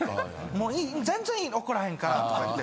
「もういい全然いい怒らへんから」とか言って。